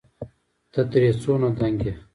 ته ترې څونه دنګ يې